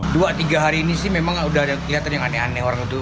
dua tiga hari ini sih memang sudah ada yang lihat yang aneh aneh orang itu